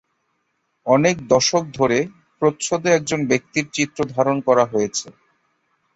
অনেক দশক ধরে প্রচ্ছদে একজন ব্যক্তির চিত্রধারণ করা হয়েছে।